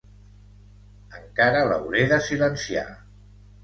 Encara l'hauré de silenciar!